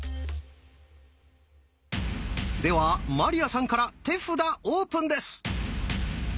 では鞠杏さんから手札オープンです！